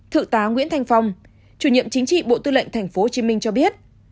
thự tá nguyễn thành phong chủ nhiệm chính trị bộ tư lệnh tp hcm cho biết